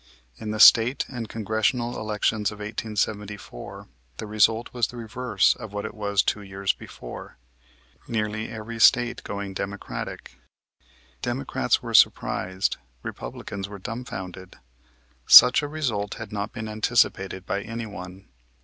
In the State and Congressional elections of 1874 the result was the reverse of what it was two years before, nearly every State going Democratic. Democrats were surprised, Republicans were dumbfounded. Such a result had not been anticipated by anyone.